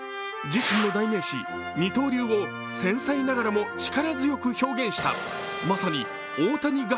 自身の代名詞、二刀流を繊細ながらも力強く表現したまさに大谷画伯